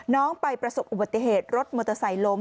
น้องไปประสบอุบัติเหตุรถมอเตอร์ไซค์ล้ม